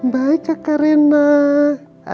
baik kakak rena